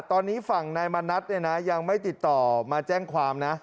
ตอนนี้ฝั่งนายมณัฐเนี่ยนะยังไม่ติดต่อมาแจ้งความนะ